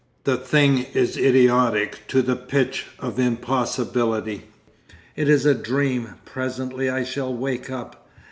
The thing is idiotic to the pitch of impossibility. It is a dream. Presently I shall wake up."